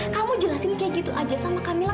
kamu jelasin kayak gitu aja sama kamila